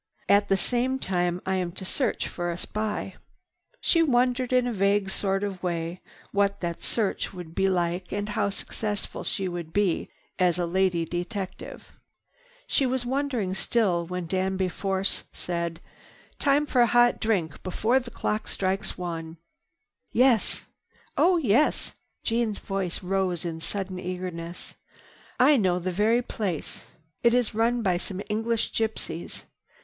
At the same time I am to search for a spy." She wondered in a vague sort of way what that search would be like and how successful she would be as a lady detective. She was wondering still when Danby Force said: "Time for a hot drink before the clock strikes one." "Yes. Oh yes!" Jeanne's voice rose in sudden eagerness. "I know the very place. It is run by some English gypsies.